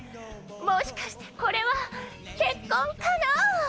もしかしてこれは結婚かな？